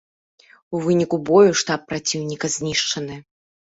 У выніку бою штаб праціўніка знішчаны.